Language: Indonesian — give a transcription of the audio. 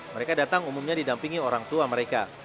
mereka datang umumnya didampingi orang tua mereka